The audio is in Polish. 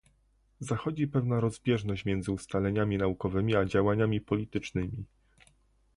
Zachodzi pewna rozbieżność między ustaleniami naukowymi a działaniami politycznymi